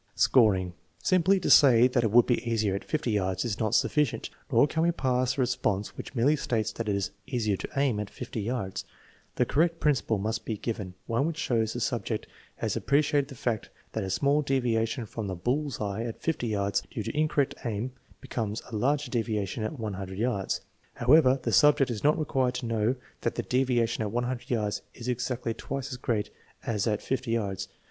Scoring. Simply to say that it would be easier at 50 yards is not sufficient, nor can we pass the response which 336 THE MEASUREMENT OF INTELLIGENCE merely states that it is " easier to aim " at 50 yards. The correct principle must be given, one which shows the sub ject has appreciated the fact that a small deviation from the " bull's eye " at 50 yards, due to incorrect aim, be comes a larger deviation at 100 yards. However, the sub ject is not required to know that the deviation at 100 yards is exactly twice as great as at 50 yards.